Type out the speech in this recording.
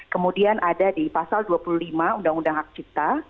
kemudian ada di pasal dua puluh lima undang undang hak cipta